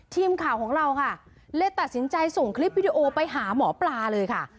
ทีมข่าวของเราค่ะเลยตัดสินใจส่งคลิปวิดีโอไปหาหมอปลาเลยค่ะ